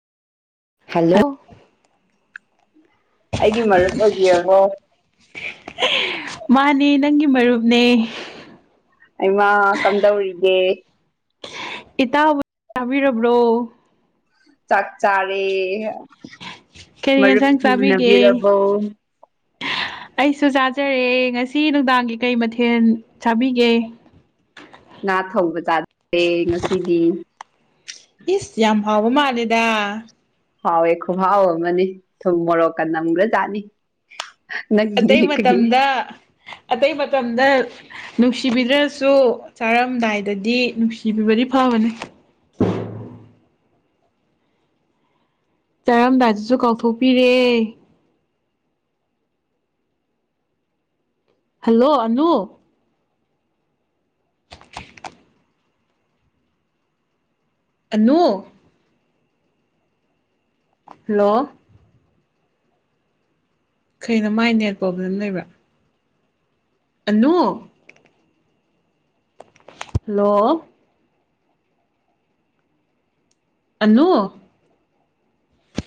hello ꯑꯩꯒꯤ ꯃꯔꯨꯞ ꯑꯣꯏꯕꯤꯔꯕꯣ ꯃꯥꯅꯦ ꯅꯪꯒꯤ ꯃꯔꯨꯞꯅꯦ ꯑꯩꯃ ꯀꯝꯗꯧꯔꯤꯒꯦ ꯏꯇꯥꯕ ꯇꯥꯕꯤꯔꯕ꯭ꯔꯣ ꯆꯥꯛ ꯆꯥꯔꯦ ꯀꯔꯤ ꯃꯔꯨꯞ ꯌꯦꯟꯁꯥꯡ ꯆꯥꯕꯤꯒꯦ ꯁꯦꯡꯅꯕꯤꯔꯕꯣ ꯑꯩꯁꯨ ꯆꯥꯖꯔꯦ ꯉꯁꯤ ꯅꯨꯡꯗꯥꯡꯒꯤ ꯀꯩ ꯃꯊꯦꯜ ꯆꯥꯕꯤꯒꯦ ꯉꯥ ꯊꯧꯕ ꯆꯥꯗꯦ ꯉꯁꯤꯗꯤ ꯏꯁ ꯌꯥꯝ ꯍꯥꯎꯕ ꯃꯥꯜꯂꯦꯗ ꯍꯥꯎꯋꯦ ꯈꯨꯍꯥꯎ ꯑꯃꯅꯤ ꯊꯨꯝ ꯃꯣꯔꯣꯛꯀ ꯅꯝꯒ꯭ꯔ ꯆꯥꯠꯅꯤ ꯑꯇꯩ ꯃꯇꯝꯗ ꯑꯇꯩ ꯃꯇꯝꯗ ꯅꯨꯡꯁꯤꯕꯤꯗ꯭ꯔꯁꯨ ꯆꯥꯔꯝꯗꯥꯏꯗꯗꯤ ꯅꯨꯡꯁꯤꯕꯤꯕꯗꯤ ꯐꯕꯅꯦ ꯆꯥꯔꯝꯗꯥꯗꯨꯁꯨ ꯀꯥꯎꯊꯣꯛꯄꯤꯔꯦ ꯍꯜꯂꯣ ꯑꯅꯨ ꯅꯣ ꯍꯜꯂꯣ ꯀꯩꯅꯣ ꯃꯥꯏ ꯅꯦꯠ ꯄ꯭ꯔꯣꯕ꯭ꯂꯦꯝ ꯂꯩꯕ꯭ꯔꯥ ꯅꯣ ꯍꯜꯂꯣ ꯑꯂꯨ